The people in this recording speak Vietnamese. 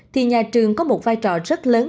thì nhà trường có một vai trò rất lớn